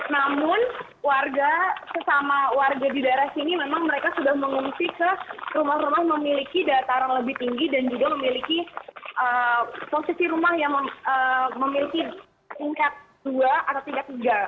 namun warga sesama warga di daerah sini memang mereka sudah mengungsi ke rumah rumah yang memiliki dataran lebih tinggi dan juga memiliki posisi rumah yang memiliki tingkat dua atau tingkat tiga